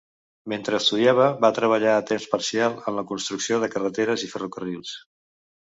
Mentre estudiava, va treballar a temps parcial en la construcció de carreteres i ferrocarrils.